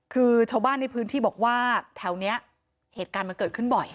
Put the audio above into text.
คือชาวบ้านในพื้นที่บอกว่าแถวนี้เหตุการณ์มันเกิดขึ้นบ่อย